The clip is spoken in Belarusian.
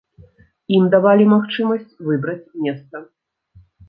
Ім давалі магчымасць выбраць месца.